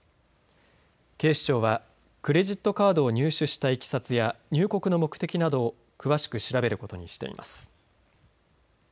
警視庁はクレジットカードを入手したいきさつや入国の目的などを詳しく調べることにしています。